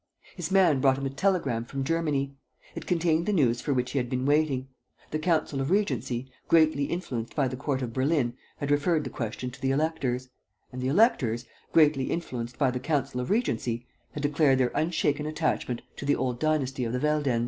His man brought him a telegram from Germany. It contained the news for which he had been waiting. The Council of Regency, greatly influenced by the Court of Berlin, had referred the question to the electors; and the electors, greatly influenced by the Council of Regency, had declared their unshaken attachment to the old dynasty of the Veldenz.